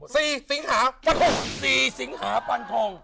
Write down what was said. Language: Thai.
สี่สิงหาปันทง